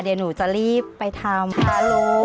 ค่ะเดี๋ยวหนูจะรีบไปทำ